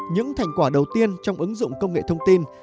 những thành quả đầu tiên trong ứng dụng công nghệ thông tin